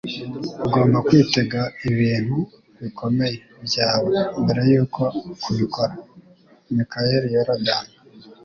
Ugomba kwitega ibintu bikomeye byawe mbere yuko ubikora.” —Mikayeli Yorodani